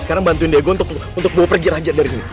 sekarang bantuin diego untuk bawa pergi raja dari sini